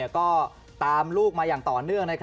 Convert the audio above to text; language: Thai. ก็ตามลูกมาต่อเนื่อง